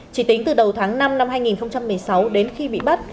chỉ tính từ đầu tháng năm năm hai nghìn một mươi sáu đến khi bị bắt